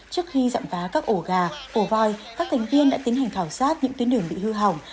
trước khi dặm vá các ổ gà ổ voi các thành viên đã tiến hành khảo sát những tuyến đường bị hư hỏng